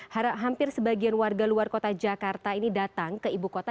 hampir sebagian warga luar kota jakarta ini datang ke ibu kota